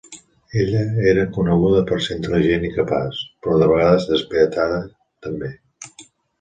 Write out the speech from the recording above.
Ella era coneguda per ser intel·ligent i capaç, però de vegades despietada també.